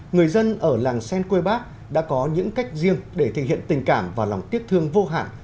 người dân ở làng sen quê bác đã có những cách riêng để thể hiện tình cảm và lòng tiếc thương vô hạn